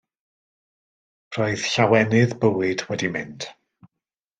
Roedd llawenydd bywyd wedi mynd.